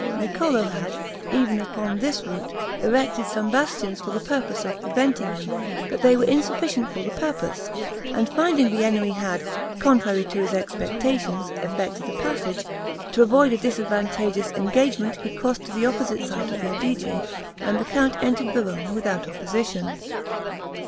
Niccolo had, even upon this route, erected some bastions for the purpose of preventing him, but they were insufficient for the purpose; and finding the enemy had, contrary to his expectations, effected a passage, to avoid a disadvantageous engagement he crossed to the opposite side of the Adige, and the count entered Verona without opposition.